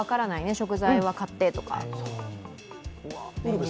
食材は買ってとか。